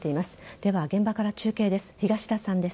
では、現場から中継です。